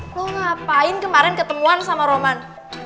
lo ngapain kemarin ketemuan sama roman